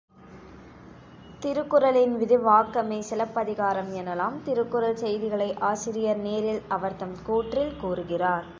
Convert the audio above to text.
திருக்குறளின் விரிவாக்கமே சிலப்பதிகாரம் எனலாம். திருக்குறள் செய்திகளை ஆசிரியர் நேரில் அவர் தம் கூற்றில் கூறுகிறார்.